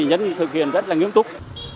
nhân thực hiện rất nghiêm túc